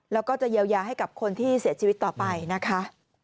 แล้วก็จะเยียวยาให้กับคนที่เสียชีวิตต่อไปนะคะ